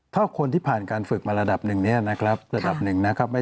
ถ้าคนที่ผ่านการฝึกมาระดับหนึ่งเนี่ยนะครับระดับหนึ่งนะครับ